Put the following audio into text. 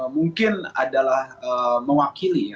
itu adalah mewakili